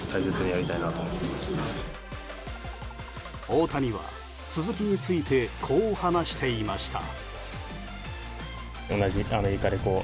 大谷は鈴木についてこう話していました。